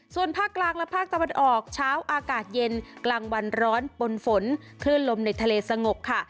ส่วนภาคกลางและภาคตะวันออกเช้าอากาศเย็นกลางวันร้อนปนฝนคลื่นลมในทะเลสงบค่ะ